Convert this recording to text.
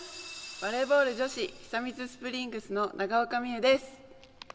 バレーボール女子、久光スプリングスの長岡望悠です。